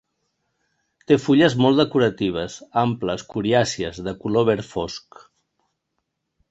Té fulles molt decoratives, amples, coriàcies, de color verd fosc.